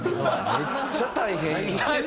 めっちゃ大変やん。